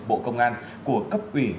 bộ công an của cấp ủy